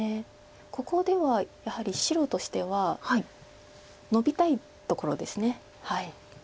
ここではやはり白としてはノビたいところです。